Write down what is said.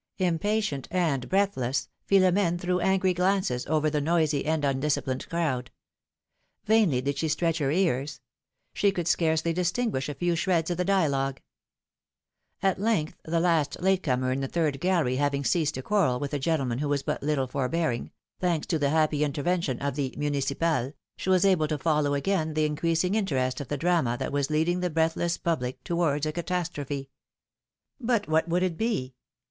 Impatient and breathless, Philomene threw angry glances over the noisy and undisciplined crowd. Vainly did she stretch her ears ; she could scarcely distinguish a few shreds of the dialogue. At length, the last late comer in the third gallery having ceased to quarrel with a gentleman who was but little forbearing — thanks to the happy intervention of the municipal "— she was able to follow again the increasing interest of the drama that was leading the breathless public towards a catastrophe. But what would it be?